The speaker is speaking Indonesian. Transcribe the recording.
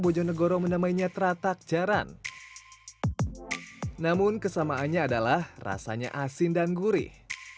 bojonegoro menamainya teratak jaran namun kesamaannya adalah rasanya asin dan gurih